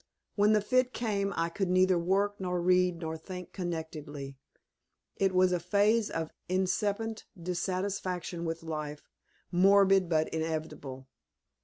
When the fit came I could neither work nor read nor think connectedly. It was a phase of incipient dissatisfaction with life, morbid, but inevitable.